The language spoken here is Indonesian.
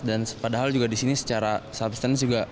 dan padahal di sini secara substansi juga